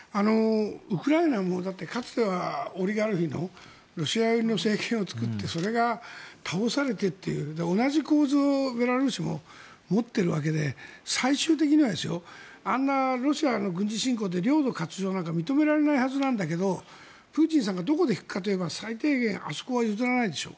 ウクライナもかつてはオリガルヒのロシア寄りの政権を作ってそれが倒されてという同じ構図をベラルーシも持っているわけで、最終的にはあんなロシアの軍事侵攻で領土割譲なんか認められないはずなんだけどプーチンさんがどこで引くかといえば最低限あそこは譲らないでしょ。